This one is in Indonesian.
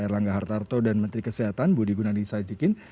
erlangga hartarto dan menteri kesehatan budi gunadisajikin